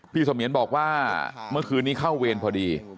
เสมียนบอกว่าเมื่อคืนนี้เข้าเวรพอดี